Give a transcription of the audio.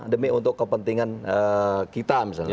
demi untuk kepentingan kita misalnya